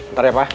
ntar ya pak